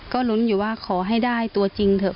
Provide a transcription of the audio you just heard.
ก็ลุ้นอยู่ว่าขอให้ได้ตัวจริงเถอะ